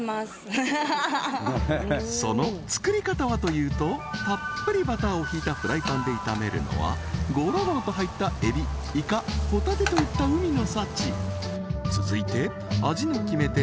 その作り方はというとたっぷりバターをひいたフライパンで炒めるのはゴロゴロと入ったエビイカホタテといった海の幸続いて味の決め手